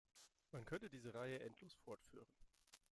Man könnte diese Reihe endlos fortführen.